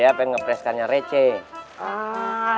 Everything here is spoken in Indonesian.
pengen ngepreskannya rejen nih lo tau ya